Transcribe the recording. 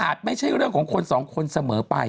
ไม่ใช่เรื่องของคนสองคนเสมอไป